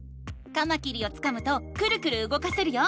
カマキリをつかむとクルクルうごかせるよ。